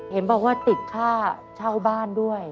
เห็นบอกว่าติดค่าเช่าบ้านด้วย